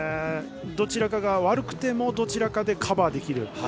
どちらかが悪くてもどちらかでカバーできる。